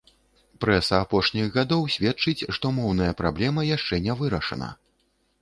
Прэса апошніх гадоў сведчыць, што моўная праблема яшчэ не вырашана.